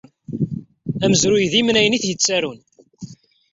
Amezruy d imernayen i t-yettarun.